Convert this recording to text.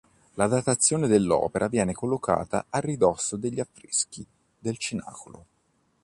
La datazione dell'opera viene collocata a ridosso degli affreschi del cenacolo.